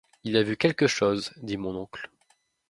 Il a vu quelque chose, dit mon oncle.